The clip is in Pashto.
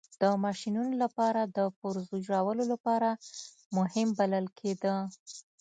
د ماشینونو لپاره د پرزو جوړولو لپاره مهم بلل کېده.